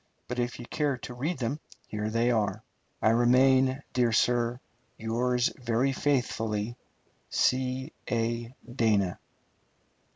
But if you care to read them here they are. I remain, dear sir, Yours very faithfully, C. A. DANA.